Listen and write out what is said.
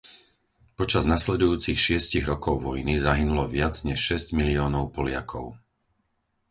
Počas nasledujúcich šiestich rokov vojny zahynulo viac než šesť miliónov Poliakov.